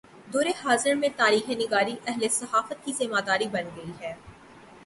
دور حاضر میں تاریخ نگاری اہل صحافت کی ذمہ داری بن گئی ہے۔